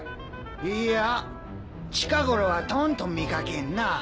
いやぁ近頃はとんと見かけんなぁ。